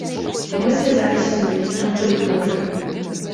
Мы звязаліся з міністрам культуры.